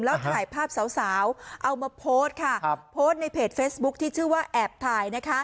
แล้วถ่ายภาพสาวเอามาโพสต์ค่ะโพสต์ในเพจเฟซบุ๊คที่ชื่อว่าแอบถ่ายนะคะ